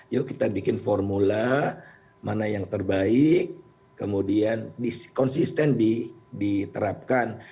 yuk kita bikin formula mana yang terbaik kemudian konsisten diterapkan